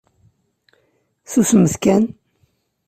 Susmet kan.